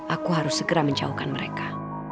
aku harus segera menjauhkan mereka